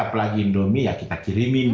apalagi indomie ya kita kirimin